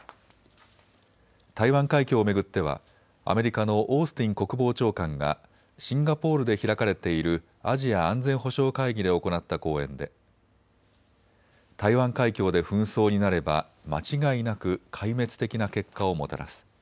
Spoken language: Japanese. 台湾海峡を巡ってはアメリカのオースティン国防長官がシンガポールで開かれているアジア安全保障会議で行った講演で台湾海峡で紛争になれば間違いなく壊滅的な結果をもたらす。